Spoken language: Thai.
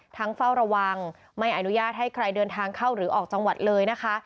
เฝ้าระวังไม่อนุญาตให้ใครเดินทางเข้าหรือออกจังหวัดเลยนะคะ